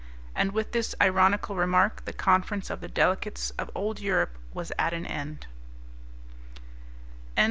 And with this ironical remark the conference of the delegates of old Europe was at an end.